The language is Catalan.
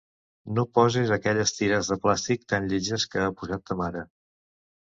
No poses aquelles tires de plàstic tan lletges que ha posat ta mare.